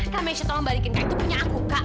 kamesha tolong balikin kak itu punya aku kak